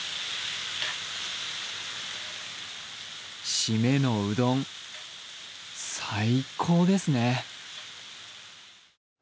締めのうどん、最高ですね。